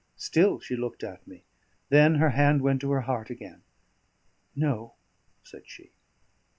Still she looked at me; then her hand went to her heart again. "No," said she.